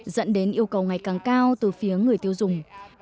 dẫn đến yêu cầu ngày càng cao từ phía người tiêu dùng